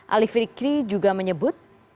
alif fikri juga menyebut